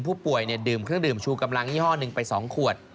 ดื่มเครื่องดื่มชูกำลังยี่ห้อหนึ่งไป๒ขวด